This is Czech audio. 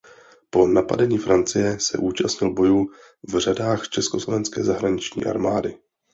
Po napadení Francie se účastnil bojů v řadách československé zahraniční armády.